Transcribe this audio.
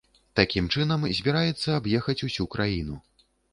Такім чынам збіраецца аб'ехаць усю краіну.